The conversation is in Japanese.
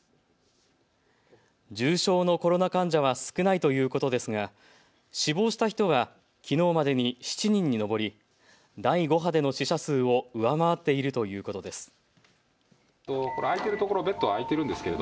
重症のコロナ患者は少ないということですが死亡した人はきのうまでに７人に上り第５波での死者数を上回っているということです。